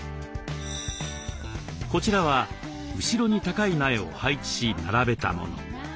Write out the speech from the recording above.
こちらは後ろに高い苗を配置し並べたもの。